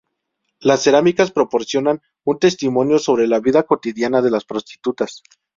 Las cerámicas proporcionan un testimonio sobre la vida cotidiana de las prostitutas.